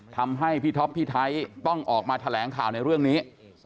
ทำให้พี่ท็อปพี่ไทยต้องออกมาแถลงข่าวในเรื่องนี้